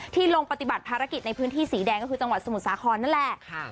ลงปฏิบัติภารกิจในพื้นที่สีแดงก็คือจังหวัดสมุทรสาครนั่นแหละ